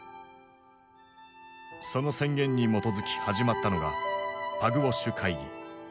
その宣言に基づき始まったのがパグウォッシュ会議。